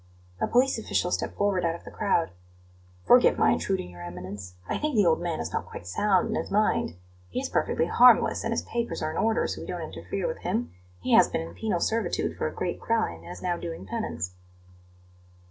A police official stepped forward out of the crowd. "Forgive my intruding, Your Eminence. I think the old man is not quite sound in his mind. He is perfectly harmless, and his papers are in order, so we don't interfere with him. He has been in penal servitude for a great crime, and is now doing penance."